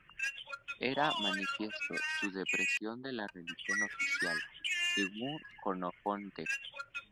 Era manifiesto su desprecio de la religión oficial, según Jenofonte.